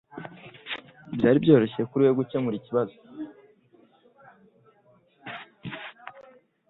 Byari byoroshye kuri we gukemura ikibazo.